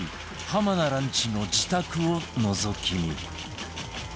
浜名ランチの自宅をのぞき見